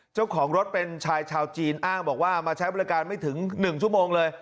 เจ้าของรถเป็นชายชาวจีนอ้างบอกว่ามาใช้บริการไม่ถึง๑ชั่วโมงเลย